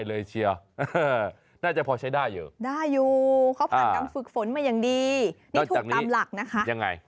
นี่เขาผ่านการฝึกฝนมาอย่างดีนี่ถูกตามหลักนะคะยังไง